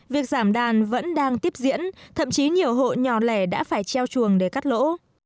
việc giảm đàn vẫn đang tiếp diễn thậm chí nhiều hộ nhỏ lẻ đã phải treo chuồng để cắt lỗ